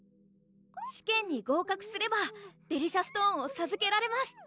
試験に合格すればデリシャストーンをさずけられます